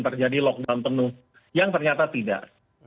terjadi lock down penuh yang ternyata tidak